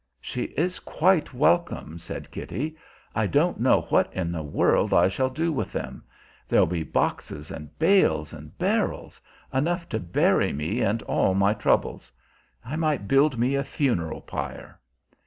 "She is quite welcome," said Kitty. "I don't know what in the world I shall do with them. There'll be boxes and bales and barrels enough to bury me and all my troubles. I might build me a funeral pyre!"